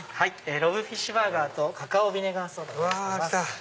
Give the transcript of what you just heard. ＲＯＢＢフィッシュバーガーとカカオビネガーソーダになります。